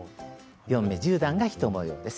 ４目１０段が１模様です。